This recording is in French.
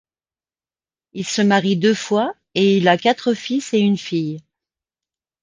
Il se marie deux fois et il a quatre fils et une fille.